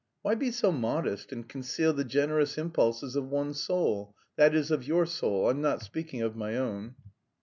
"Why be so modest and conceal the generous impulses of one's soul; that is, of your soul? I'm not speaking of my own."